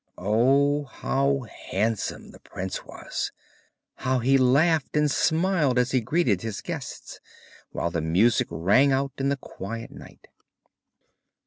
Oh, how handsome the prince was! how he laughed and smiled as he greeted his guests, while the music rang out in the quiet night.